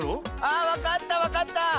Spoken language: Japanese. あわかったわかった！